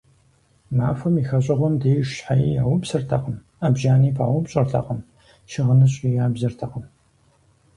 Махуэм и хэщӀыгъуэм деж щхьэи яупсыртэкъым, Ӏэбжьани паупщӀыртэкъым, щыгъыныщӀи ябзыртэкъым.